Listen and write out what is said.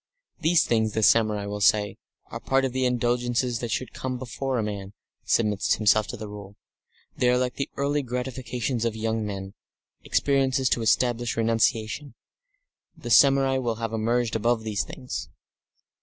These things, the samurai will say, are part of the indulgences that should come before a man submits himself to the Rule; they are like the early gratifications of young men, experiences to establish renunciation. The samurai will have emerged above these things.